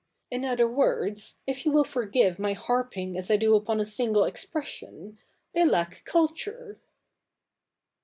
In other words, if you will forgive my harping as I do upon a single expression, they lack culture.'